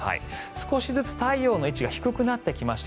少しずつ太陽の位置が低くなってきました。